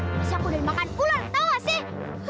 masa aku udah dimakan ular tau gak sih